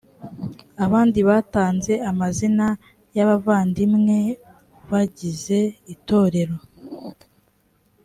abandi batanze amazina y abavandimwe bagize itorero .